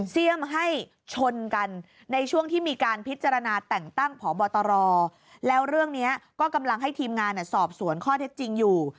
ให้ชนกันในช่วงที่มีการพิจารณาแต่งตั้งพบตรแล้วเรื่องนี้ก็กำลังให้ทีมงานสอบสวนข้อเท็จจริงอยู่